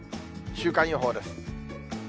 週間予報です。